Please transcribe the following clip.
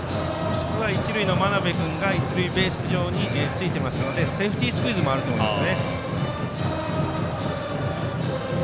一塁の真鍋君が一塁ベース上についていますのでセーフティースクイズもあると思います。